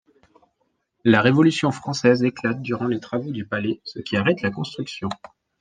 La Révolution française éclate durant les travaux du palais, ce qui arrête la construction.